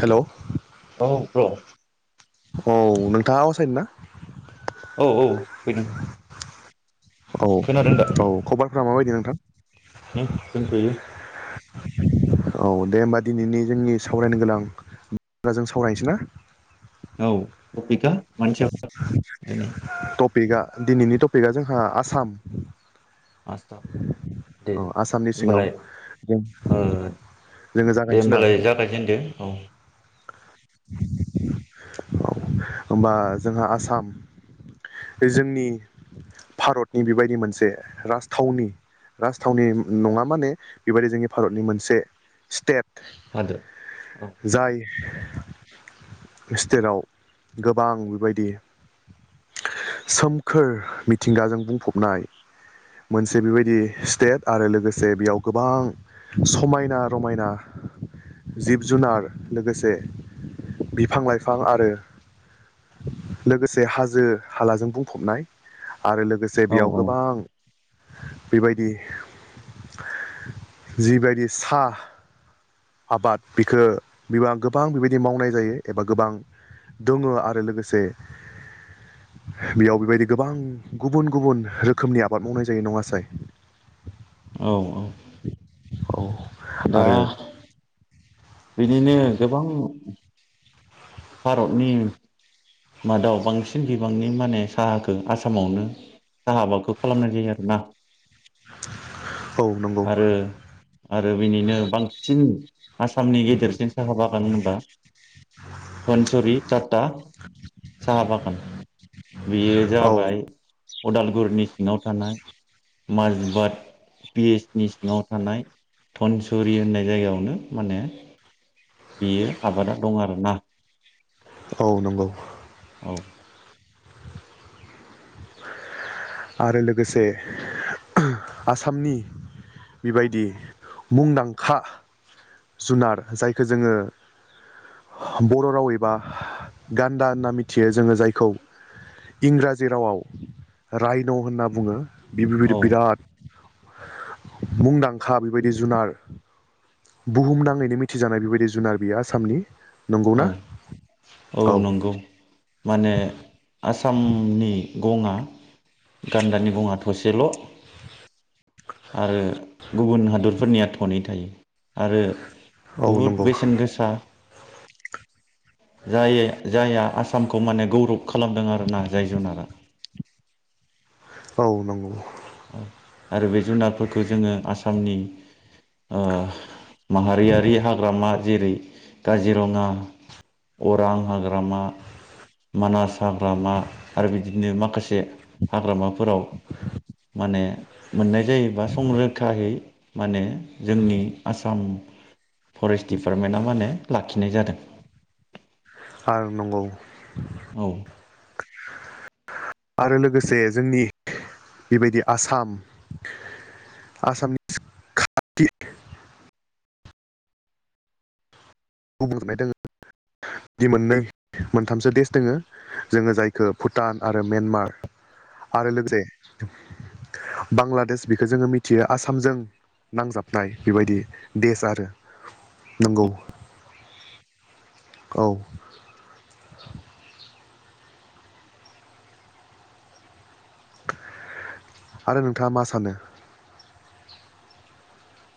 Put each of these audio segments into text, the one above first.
हेल' औ औ ब्र' नों [unintelligible] औ औ बिदि औ औ खबरफोरा माबायदि नोंथां ने दोनथ'यो औ दे होमबा दिनैनि जोंनि सावरायनो गोनां बाजों सावरायनोसै ना? औ [unintelligible] [unintelligible] दिनै पिकआ दिनैनि टपिकआ जोंहा आसाम आस्था दे औ आसामनि सिङाव होमबालाय जों ओ जोङो दे जागायनोसै ना होनमबालाय जागायजेनदो औ औ होनबा जोंहा आसाम बे जोंनि भारतनि बेबायदि मोनसे राजथावनि राजथावनि नङा माने बेबायदि जोंनि भारतनि मोनसे स्टेट [unintelligible] जाय स्टेटआव गोबां बेबायदि सोमखोर मिथिंगाजों बुंफबनाय मोन से बेबायदि स्टेट आरो लोगोसे जे बेयाव गोबां समायना रमायना जिब- जुनार लोगोसे बिफां लाइफां आरो लोगोसे हाजो हालाजों बुंफबनाय । आरो लोगोसे औ बेयाव गोबां बेबायदि जिबायदि साहा आबाद बिख बिबा गोबां बेबायदि मावनाय जायो एबा गोबां दङ आरो लोगोसे बेयाव बेबायदि गोबां गुबुन गुबुन रोखोमनि आबाद मावनाय जायो नङासाय? औ औ । दा आरो बिनिनो गोबां भारतनि मादाव बांसिन बिबांनि माने साहाखौ आसामावनो साहा आबादखौ खालामनाय जायो आरोना औ नंगौ । आरो आरो बिनिनो बांसिन आसामनि गेदेरसिन साहा बागान होनबा धनसुरि टाटा साहा बागान बेयो औ जाबाय अदालगुरिनि सिङाव थानाय माजबाद पिसनि सिङाव थानाय धनसुरि होननाय जायगायावनो माने बेयो आबादा दं आरोना । औ नंगौ । औ । आरो लोगोसे आसामनि बेबायदि मुंदांखा जुनार जायखौ जोङो बर' राव एबा गान्दा होनना मिथियो जोङो जायखौ इंराजि रावाव रायन' होनना बुङो बिफोरबायदि औ बिराद मुंदांखा बेबायदि जुनार बुहुमनाङैनो मिथिजानाय बेबायदि जुनार बियो आसामनि । औ औ नंगौ । माने आसामनि गङा गान्दानि गङा थसेल' आरो गुबुन हादरफोरनिया थनै थायो आरो औ बहुद नंगौ बेसेन गोसा जायो जायहा आसामखौ माने गौरब खालामदों आरोना जाय जुनारा औ नंगौ औ आरो बे जुनारफोरखौ जोङो आसामनि ओ माहारियारि हाग्रामा जेरै काजिरङा अरां हाग्रामा मानास हाग्रामा आरो बिदिनो माखासे हाग्रामा फोराव माने मोननाय जायोबा संरोखायै माने जोंनि आसाम फरेस्ट दिडपार्टमेन्टा माने लाखिनाय जादों ओ नंगौ औ आरो लोगोसे जोंनि बेबायदि आसाम आसामनि खाथि बुंजोबनाय दङ बि मोननै मोनथामसो देश दङो जोङो जायखौ भुटान आरो म्यानमार आरो लोगोसे बांलादेश बेखौ जोङो मिथियो आसामजों नांजाबनाय बेबायदि देश आरो नंगौ औ आरो नोंथाङा मा सानो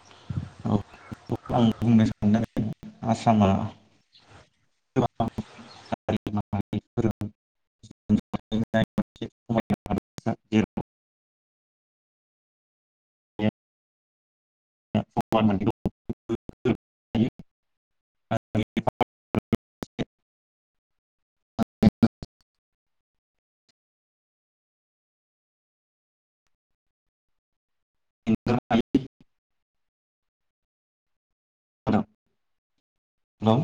[unintelligible] आसामा [unintelligible] [unintelligible] [unintelligible] दं